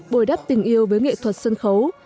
bồi đắp tình yêu với nghệ thuật sân khấu